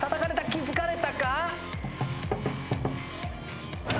気付かれたか？